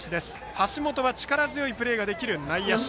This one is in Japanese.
橋本は力強いプレーができる内野手。